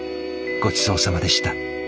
ごちそうさまでした。